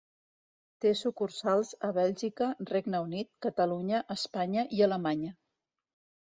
Té sucursals a Bèlgica, Regne Unit, Catalunya, Espanya i Alemanya.